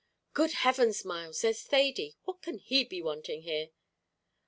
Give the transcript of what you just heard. "Good heaven, Myles, there's Thady! what can he be wanting here?"